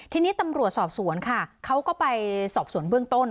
ทีนี้ตำรวจสอบสวนค่ะเขาก็ไปสอบสวนเบื้องต้น